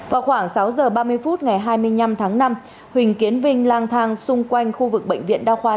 vào khoảng sáu h ba mươi phút ngày hai mươi năm tháng năm huỳnh kiến vinh lang thang xung quanh khu vực bệnh viện đao khoa